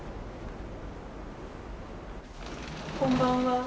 こんばんは。